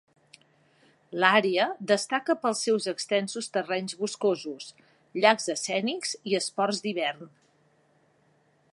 L'àrea destaca pels seus extensos terrenys boscosos, llacs escènics i esports d'hivern.